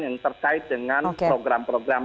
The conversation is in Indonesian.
yang terkait dengan program program